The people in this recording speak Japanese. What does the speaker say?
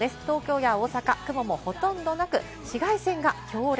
東京や大阪、雲もほとんどなく、紫外線が強烈。